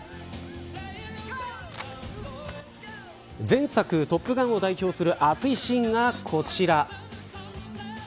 前作トップガンを代表する熱いシーンがこちら。